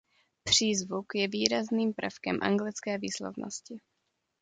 Přízvuk je výrazným prvkem anglické výslovnosti.